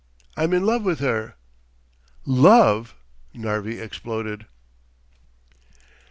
I'm in love with her." "Love!" Narvi exploded.